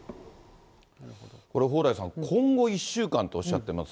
これ蓬莱さん、今後１週間っておっしゃってます。